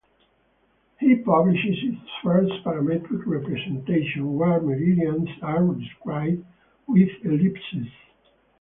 He publishes its first parametric representation, where meridians are described with ellipses.